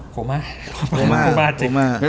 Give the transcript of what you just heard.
โคม่า